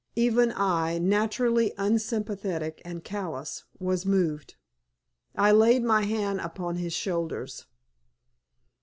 Even I, naturally unsympathetic and callous, was moved. I laid my hand upon his shoulders.